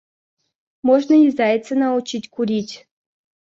Можно и зайца научить курить.